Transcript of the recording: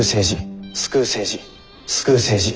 救う政治。